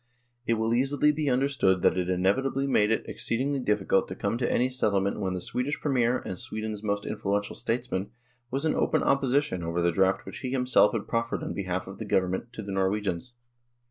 It will easily be understood that it inevitably made it ex ceedingly difficult to come to any settlement when the Swedish Premier and Sweden's most influential statesman was in open opposition over the draft which he himself had proffered on behalf of the Gov ernment to the Norwegians.